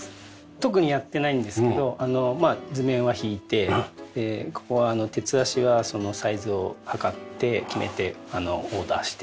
特にやってないんですけどまあ図面は引いてここは鉄脚はそのサイズを測って決めてオーダーして。